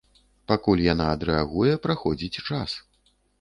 Пакуль яна адрэагуе, праходзіць час.